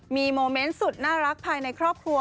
มีโมเมนต์สุดน่ารักภายในครอบครัว